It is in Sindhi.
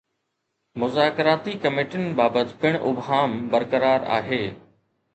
مذاڪراتي ڪميٽين بابت پڻ ابهام برقرار آهي.